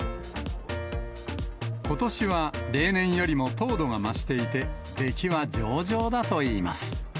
ことしは例年よりも糖度が増していて、出来は上々だといいます。